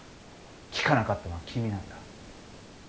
聞かなかったのは君なんだ。